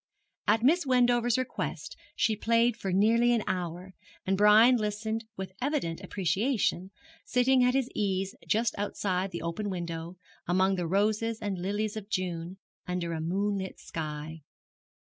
At Miss Wendover's request she played for nearly an hour, and Brian listened with evident appreciation, sitting at his ease just outside the open window, among the roses and lilies of June, under a moonlit sky.